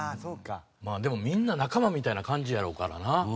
まあでもみんな仲間みたいな感じやろうからな。